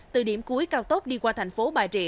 từ điểm cuối cao tốc đi qua thành phố bà rịa